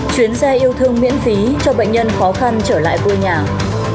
chuyến xe yêu thương miễn phí cho bệnh nhân khó khăn trở lại vui nhàng